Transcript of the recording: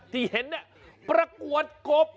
ที่เห็นประกวดกบ